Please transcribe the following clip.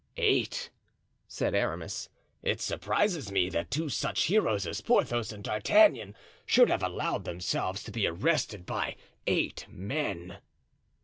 "Eight!" said Aramis; "it surprises me that two such heroes as Porthos and D'Artagnan should have allowed themselves to be arrested by eight men."